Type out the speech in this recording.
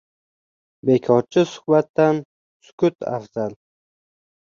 • Bekorchi suhbatdan sukut afzal.